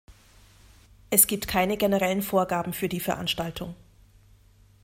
Es gibt keine generellen Vorgaben für die Veranstaltung.